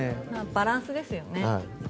バランスですよね。